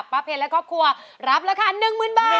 เพลงและครอบครัวรับราคา๑๐๐๐บาท